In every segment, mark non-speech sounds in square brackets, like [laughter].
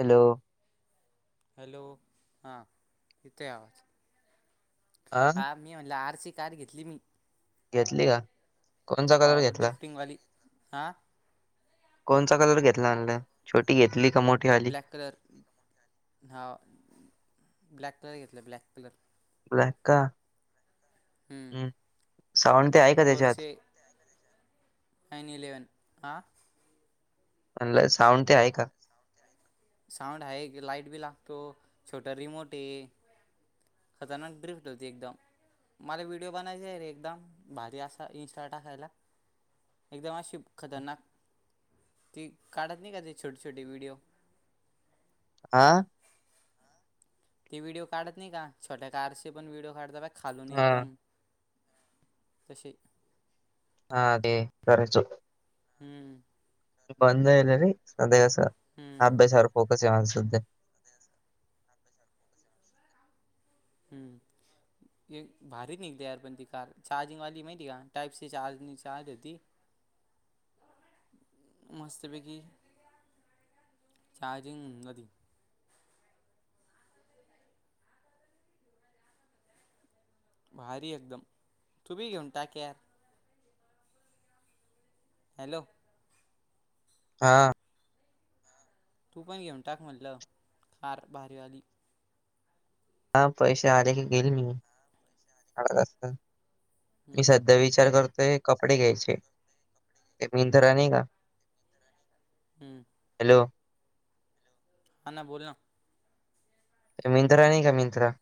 Hello! Hello! हा येतोय आवाज. आ हां मी म्हणलं आर. सी कार घेतली मी. घेतली का? कोणचा कलर हाव घेतला ड्रिफ्टिंगवाली. हा कोणचा कलर घेतला म्हणलं? छोटी घेतली का मो ब्लॅक कलर हा ब्लॅक कलर घेतला ब्लॅक कलर. ब्लॅक का हम् साऊंड ते आहे का तेच्यात? नाइन इलेवन आ म्हणलं साऊंड ते आहे का? साऊंड आहे, लाइट बी लागतो, छोट रिमोट हे. खतरनाक ड्रिफ्ट होती एकदम. मला व्हिडिओ बनायचा आहे रे एकदम भारी आसा इंस्टाला टाकायला. एकदम आशी खतरनाक ती काढत नाही का जी? छोटी छोटी व्हिडिओ आ ते व्हिडिओ काढत नाही का छोट्या कारचे पण व्हिडिओ काढता बघ खालून हा एकदम तशे. हा ते करायचो. हम्म. बंद झायल रे सध्या आस हम्म अभ्यासावर फोकस आहे माझा सध्या. हम्म. ए भारी निघली यार पण ती कार चार्जिंगवाली माहितेय का टाईप. सी [unintelligible] होती [inaudible] मस्तपैकी चार्जिंग होती. भारी एकदम, तु बी घेऊन टाक यार. हॅलो. हा. तू पण घेऊन टाक म्हणलं कार भारी आली. हा पैसे आले की गिल मी [unintelligible] मी हम्म सध्या विचार करतोय कपडे घ्यायचे ते मिंनधरा नाही का. हम्म. हॅलो. हान बोलना. मिंत्रा नाही का मिंत्रा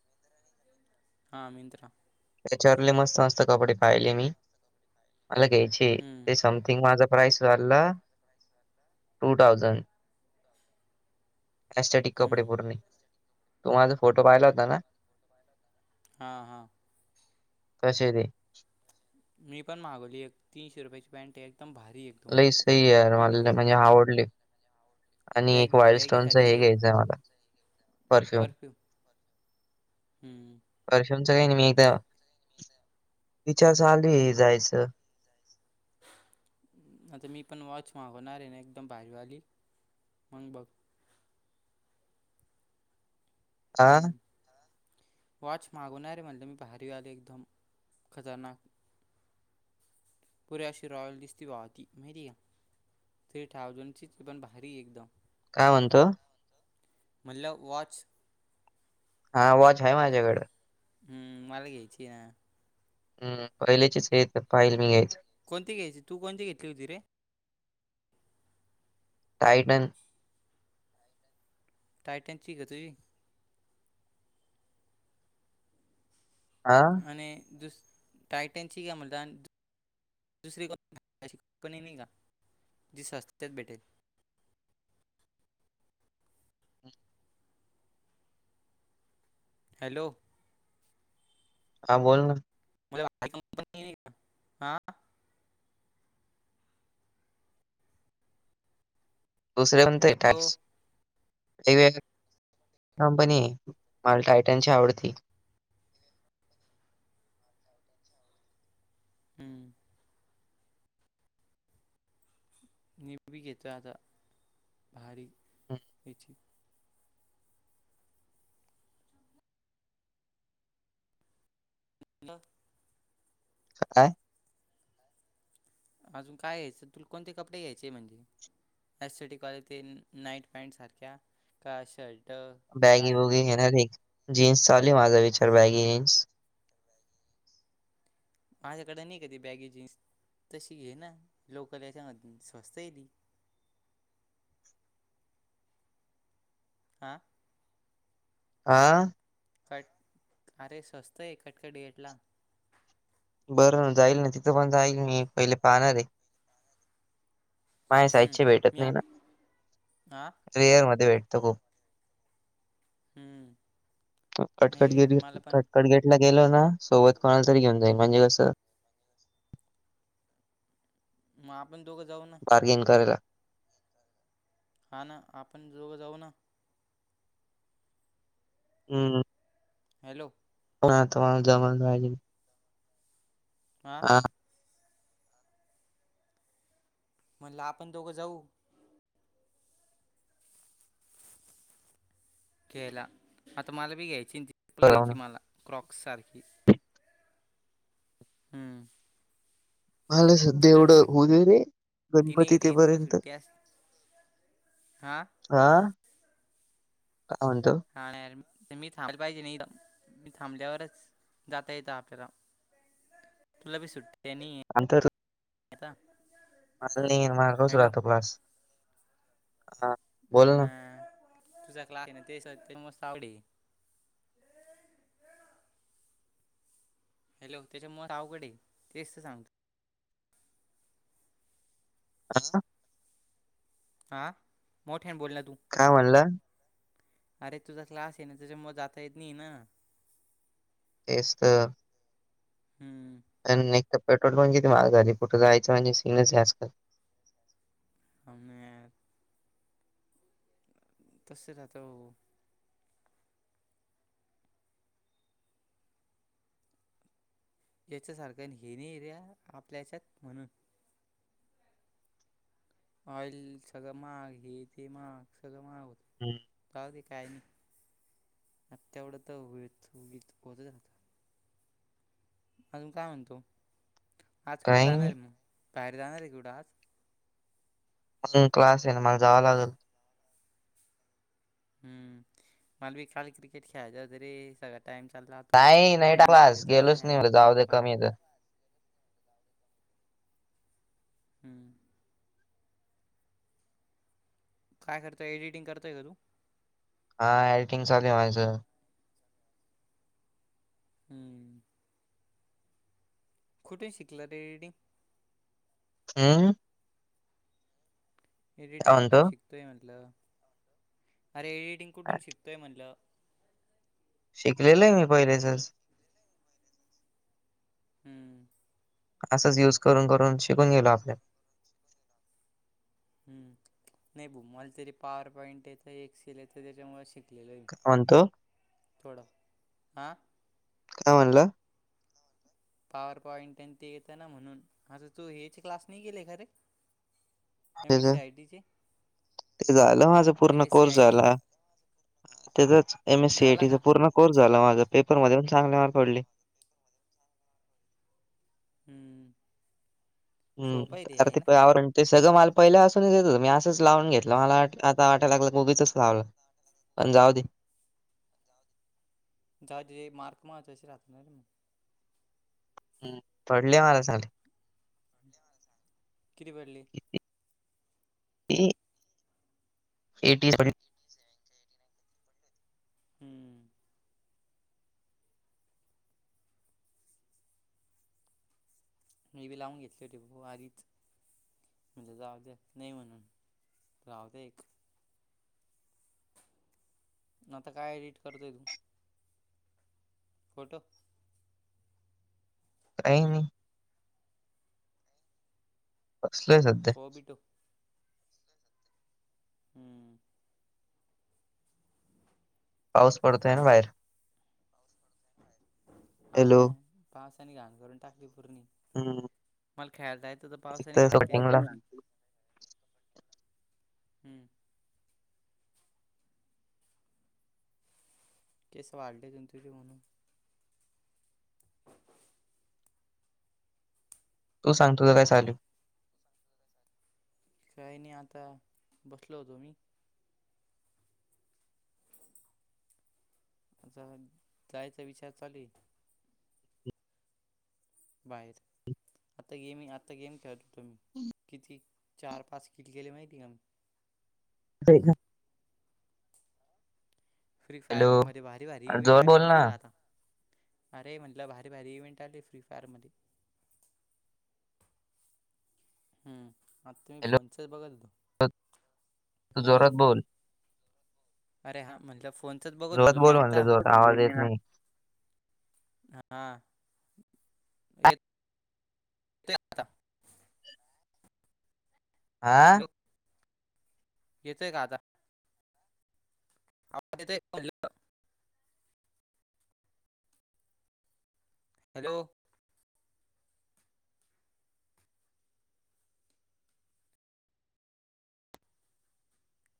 हा मिंत्रा. त्याच्यावर लय मस्त, मस्त कपडे पाहिले मी मला घ्यायचे. हम्म ते समथिंग माझा प्राइस झालला टू थाउजंड. एस्टेटिक कपडे हम्म पूर्णे तु माझ फोटो पाहिला होताना? हा, हा. तसे ते. मी पण मागवली एक तीनशे रुपयाची पॅन्ट हाय एकदम भारी एकदम लई सही आहे यार माहिती का मला म्हणजे आवडली. आणि एक बॅग वाईल्ड स्टोनच बॅगीसारखीच हे आहे घ्यायचं आम्हाला परफ्यूम. हम्म. प्रशांत काही नाही मी एकदा विचार चालू हाय जायच. [unintelligible] आता मी पण वॉच मागवणार आहे ना एकदम भाारीवाली मग बघ. आ? हम्म. वॉच मागवणारे म्हणलं मी भारी वाली एकदम खतरनाक पुरी अशी रॉयल दिसती भावा ती माहित आहे का? थ्री थाउजंडचीच पण भारी एकदम. काय म्हणतो? म्हणलं वाॅच हा वॉच आहे माझ्याकडे. हम्म मला घ्यायची हाय ना. हम्म, पहिल्याचीच हे पाईल मी घ्यायच. कोणती घ्यायची तू कोणची घेतली होती रे? टायटन. टायटनची का तुई? आ? आणि दुस टायटनची काय म्हणतात. दुसरी को कुणी नाही का जी स्वस्तात भेटेल? हॅलो. हा बोलना. [unintelligible] हा. दुसरे म्हणते हॅलो टॅस वेगवेगळी कंपनी आहे मला टायटनची आवडती. हम्म. मी बी घेतो आता भारी हम्म, याची आ. काय. अजून काय? घ्यायच तुल कोणते कपडे घ्यायचे आहे म्हणजे? S, C, T quality night pant सारख्या का शर्ट? का बॅगी काय बुगी घेणार एक जीन्स चालुया माझा विचार बॅगी जीन्स माझ्याकडन एक आहे. ती बॅगी जीन्स तशी घेना लोकल ह्याच्या मधली स्वस्त हाय ती. आ... आ... कट? अरे, सस्तं आहे का? कडेयेटला बरं ना? जाईल ना? तिथं पण जाईल. मी पहिले पाहणार आहे. माझ्या हम्म, साईजचे मी आ हं... रिअल मध्ये भेटतो ग. हम्म. नाही रे कटकटगेट मला पण कटकटगेटला गेलो ना? सोबत कोणाला तरी घेऊन जाईल, हम्म, म्हणजे कसं. मग आपण दोघं जाऊन... बार्गेन करायला. हा ना, आपण दोघ जाऊ ना? हम्. हॅलो. उन्हात, मला जमना झालंय. हां म्हणलं, आपण दोघं जाऊ. गेला. आता मला बी घ्यायची, चप्पल बरोबर ना. घ्यायची मला क्रॉक्स सारखी. हम्म. मला सध्या तु तर एवढं सुट्ट होऊ दे रे तिने गणपती येते. तुला तेपर्यंत सुट्टी अस हां.. हा... काहंतु. हा, मी थांबलं पाहिजे. नाही मी थांबल्यावरच... जात य त पेरा, तुलाभी सुट्टे नाही. आहे अंतर. आता. अस नहीं. मागच हॅलो राहतो क्लास हा. हा ना, तुझ क्लास आहे ना? ते मस्त आवडी. हॅलो, त्याच्यामुळेरआवघड आहे. तेच तर सांगतो. आता हा. हां, मोठ्याण बोलला तू. काय म्हणलं? अरे, तुझा क्लास आहे ना? त्याच्या मग जाता येत नाही ना? व्यस्त. हम्म. आणि तर, पेट्रोल पण किती महाग झाली कुठे जायच म्हणजे सिरीयस असत. मम्मे तसे राहतो. याच्यासारखा आणि हेने एरिया आपल्या ह्यच्यात म्हणून ऑईल सगळ महाग हे ते महाग सगळं महाग होत. हम्. काय रे, काय नाही? आ तेवढं तर हो होतच राहतं. अजून काय म्हणतो? आज कुठं काही नाही जाणार आहे मग? बाहेर जाणार आहे कुठं आज? ह, मग क्लास आहे ना म, ला जावं लागेल. हम्म मला बी काल क्रिकेट खेळायचं होत रे सगळ्यात टाईम चालत राहतो नाही नाही पण मी म्हटले क्लास जाऊदे गेलोच नाही यार म्हटलं जाऊ दे थोडंफार कमी येतं. हम्म काय करतोय एडिटिंग करतोय का तू? हा एडिटिंग चालेू आहे माझं हम्म कुठे शिकला रे [unintelligible] हम्म काय एडिटिंग कुठून म्हणतो? शिकतोय म्हटलं अरे एडिटिंग कुठून शिकतोय म्हनलं? शिकलेलं आहे मी पहिलेचच हम्म असंच यूज करून करून शिकून गेलो आपण हम्म नाही बु मला तरी पॉवर पॉईंट येतं, एक्सेल येतं त्याच्यामुळे शिक काय म्हणतो हां काय म्हणल? पॉवर पॉइंट तेन ते येत ना म्हणून आता तू हेचे क्लास नाही गेले का रे एम त्याच एस सी आय टी चे ते झालं माझ पूर्ण कोर्स आय टी झाला. त्याचाच एम एस झाला सीआयटीचा का पूर्ण कोर्स झाला माझा पेपर मध्ये पण चांगले मार्क पडले. हम्म सोपं हम्म आहे आर आहे ना ते आवर ते सगळं मला पहिल्या असूनच येत मी असंच लावून घेतलं मला आता वाटाय लागलं क उगीच लावलं. पण जाऊ दे जावू दे मार्क महत्त्वाचे राहतात नाही मग हम्म पडले मला चांगले कीती पडले? [inaudible] एटी सेवन हम्म मी बी लावून घेतली हो टेपो आधीच म्हणजे जाऊ ते नाही म्हणून राहुदे एक म आता काय एडिट करतोय तू? फोटो काही नाही. बसलोय होबिटो हम्म पाऊस पडतोय ना बाहेर हाव हॅलो ना पावसाने घाण करून टाकली पूर्णी हम्म ह मला खेळायला जायचं होत पावसाने घाण केली शॉटिंगला पूर्णी हम्म केस वाढले तेन तुझे म्हणून [inaudible] तू सांगतो काय चालू. काही नाही आता बसलो होतो मी. आ जायचा विचार चालेल. [inaudible] बाहेर आता गेम आता गेम खेळत होतो मी किती चार पाच किल केेले माहिती आहे का तरी फ्री फायर मध्ये भारी भारी इवेंट जोरात आली बोल ना म्हने का आता अरे म्हटलं भारी भारी इव्हेंट आले फ्री फायर मध्ये हम् आता तुम्ही फोनचच बघत होतो. हो तू हॅलो जोरात बोल. अरे हा म्हणलं फोन. जोत बोलू म्ह आणलं जो आवाज येत नाही. हा. येतोय का आता आह. यचंय का आता. आप. [unintelligible] हॅलो.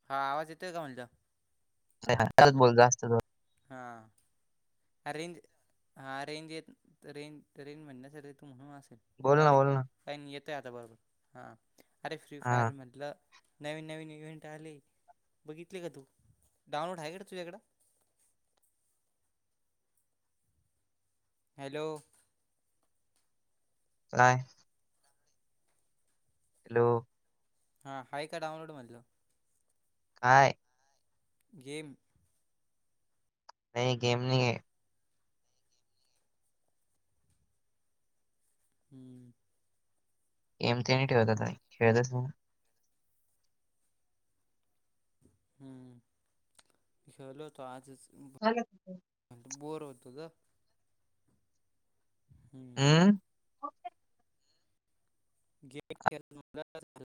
हा आवाज येतोय का म्हणलं च बोलत जात. हा. अरेंज हा रेंज येत रेंज तर रेंज म्हणण्यासाठी तू म्हणून असेल बोल राऊ ना र बोल ना काही येतय आता बरोबर हा अरे फ्री हा फायरमधलं नवीन नवीन इव्हेंट आले बघितले का तू डाउनलोड आहे का तुझ्याकडं. हॅलो. नाय. हॅलो. हा हा का डाऊनलोड मधलं काय गेम नाही गेम नाहीये हम्म एम ते नाही ठेवता खेळतस हम्म खेलो त आजच ल. [unintelligible] म्ह बोर होतो का. हम्म गेट. [inaudible]